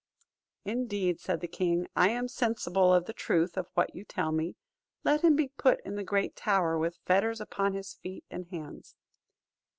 "Indeed," said the king, "I am sensible of the truth of what you tell me; let him be put in the great tower, with fetters upon his feet and hands."